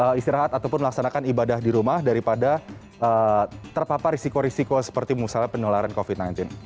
lebih baik istirahat ataupun melaksanakan ibadah di rumah daripada terpapar risiko risiko seperti penyelamatan covid sembilan belas